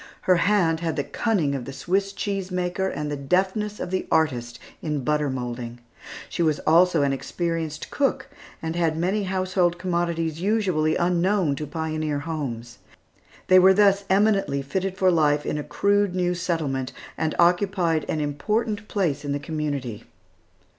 Her hand had the cunning of the Swiss cheese maker, and the deftness of the artist in butter moulding. She was also an experienced cook, and had many household commodities usually unknown to pioneer homes. They were thus eminently fitted for life in a crude new settlement, and occupied an important place in the community.